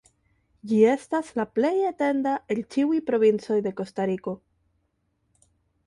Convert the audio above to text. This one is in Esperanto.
Ĝi estas la plej etenda el ĉiuj provincoj de Kostariko.